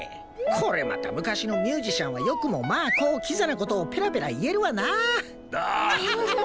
これまた昔のミュージシャンはよくもまあこうキザな事をペラペラ言えるわなあ。